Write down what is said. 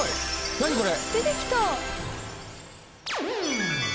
何これ。